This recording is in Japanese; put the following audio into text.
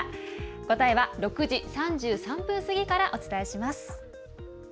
答えは６時３３分過ぎからお伝えします。